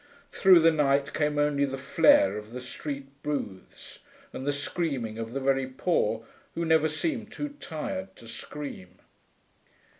Through the night came only the flare of the street booths and the screaming of the very poor, who never seem too tired to scream.